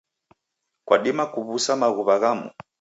Kwadima kuw'usa maghuwa ghamu